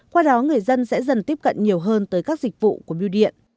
qua đó người dân sẽ dần tiếp cận nhiều hơn tới các dịch vụ của biêu điện